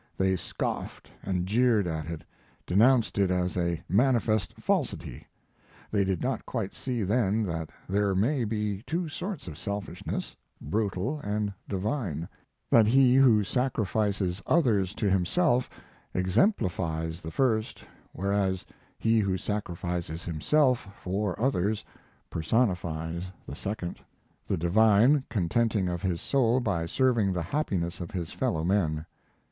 They scoffed and jeered at it; denounced it as a manifest falsity. They did not quite see then that there may be two sorts of selfishness brutal and divine; that he who sacrifices others to himself exemplifies the first, whereas he who sacrifices himself for others personifies the second the divine contenting of his soul by serving the happiness of his fellow men.